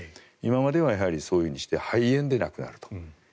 今まではそういうふうにして肺炎で亡くなると。